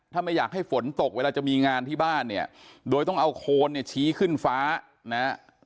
ถ้าไม่อยากให้ฝนตกเวลาจะมีงานที่บ้านเนี่ยโดยต้องเอาโคนเนี่ยชี้ขึ้นฟ้านะฮะ